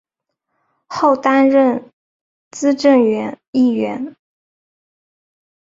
后担任资政院议员。